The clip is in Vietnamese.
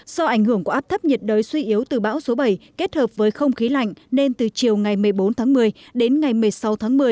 do ảnh hưởng của áp thấp nhiệt đới suy yếu từ bão số bảy kết hợp với không khí lạnh nên từ chiều ngày một mươi bốn tháng một mươi đến ngày một mươi sáu tháng một mươi